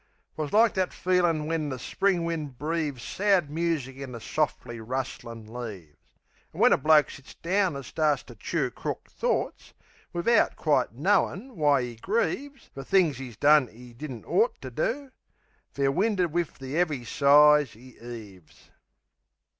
'Twas like that feelin' when the Spring wind breaves Sad music in the sof'ly rustlin' leaves. An' when a bloke sits down an' starts to chew Crook thorts, wivout quite knowin' why 'e grieves Fer things 'e's done 'e didn't ort to do Fair winded wiv the 'eavy sighs 'e 'eaves.